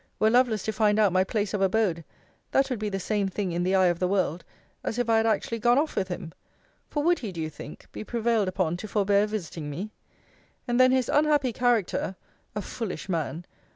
Were Lovelace to find out my place of abode, that would be the same thing in the eye of the world as if I had actually gone off with him: For would he, do you think, be prevailed upon to forbear visiting me? And then his unhappy character (a foolish man!)